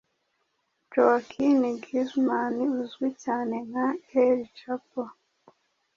Joaquin Guzman uzwi cyane nka El Chapo